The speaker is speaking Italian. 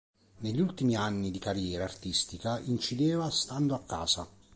Negli ultimi anni di carriera artistica incideva stando a casa.